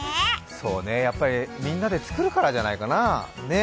そうね、やっぱりみんなで作るからじゃないかな。